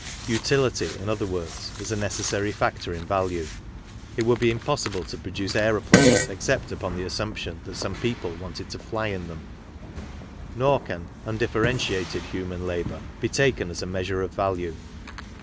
Utilit y, iji_other^wordSj_i_s_a._neces.^s.a it wcmld be impossible to produce aeroplanes except" upon the assumption that some people wanted to fly in them. Nor can " undifferentiated human labour " be taken as a measure of value.